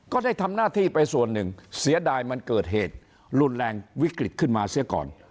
ก็ได้ทำหน้าที่ไปส่วนหนึ่งเสียดายมันเกิดเหตุรุนแรงวิกฤตขึ้นมาเสียก่อน